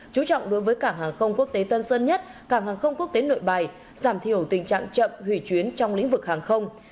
chú trọng đối với cảng hàng không quốc tế tân sơn nhất cảng hàng không quốc tế nội bài giảm thiểu tình trạng chậm hủy chuyến trong lĩnh vực hàng không